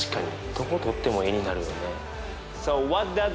どことっても絵になるよね。